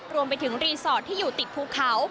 รวมไปถึงรีสอร์ทที่อยู่ติดภูเขา